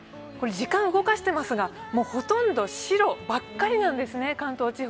時間を動かしていますが、もうほとんど白ばっかりなんですね、関東地方。